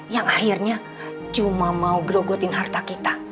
yang akhirnya cuma mau grogotin harta kita